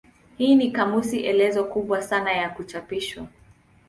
Hii ni kamusi elezo kubwa sana ya kuchapishwa.